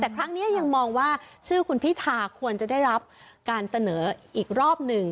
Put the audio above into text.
ครั้งนี้ยังมองว่าคุณภิษฐาควรจะได้รับการเสนออีกรอบนึง